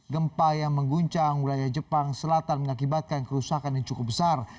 gempa yang mengguncang wilayah jepang selatan mengakibatkan kerusakan yang cukup besar